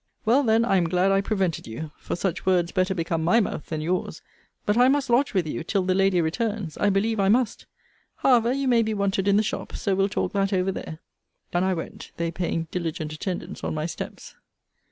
Well, then, I am glad I prevented you; for such words better become my mouth than yours. But I must lodge with you till the lady returns. I believe I must. However, you may be wanted in the shop; so we'll talk that over there. Down I went, they paying diligent attendance on my steps.